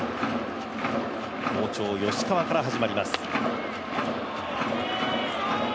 好調・吉川から始まります。